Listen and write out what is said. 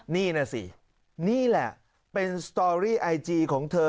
นี่นะสินี่แหละเป็นสตอรี่ไอจีของเธอ